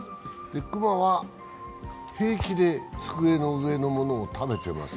熊は平気で机の上のものを食べています。